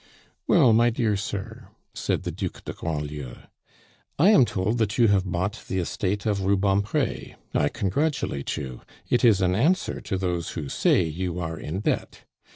"Well, my dear sir," said the Duc de Grandlieu, "I am told that you have bought the estate of Rubempre. I congratulate you. It is an answer to those who say you are in debt.